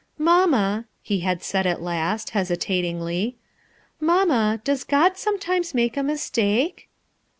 "Mamma/' he had said at last, hesitatingly, " Mamma, does God soznet imes make a mistake